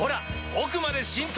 奥まで浸透！